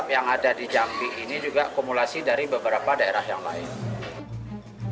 yang ada di jambi ini juga akumulasi dari beberapa daerah yang lain